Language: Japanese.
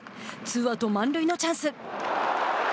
ツーアウト満塁のチャンス。